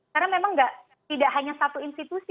karena memang tidak hanya satu institusi